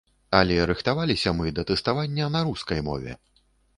Але рыхтаваліся мы да тэставання на рускай мове.